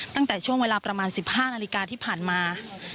ตั้งแต่ช่วงเวลาประมาณ๑๕นาฬิกาที่ผ่านมา